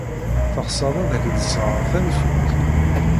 Teɣsed ad ak-d-sɣeɣ tanfult?